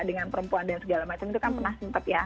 dengan perempuan dan segala macam itu kan pernah